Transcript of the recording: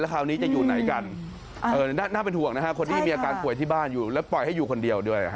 คราวนี้จะอยู่ไหนกันน่าเป็นห่วงนะฮะคนที่มีอาการป่วยที่บ้านอยู่แล้วปล่อยให้อยู่คนเดียวด้วย